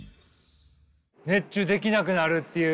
熱中できなくなるっていうね。